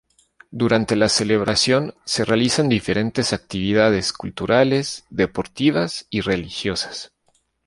Durante la celebración se realizan diferentes actividades, culturales, deportivas y religiosas.